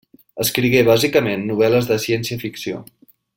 Escrigué bàsicament novel·les de ciència-ficció.